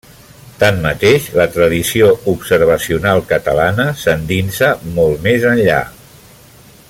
Tanmateix, la tradició observacional catalana s'endinsa molt més enllà.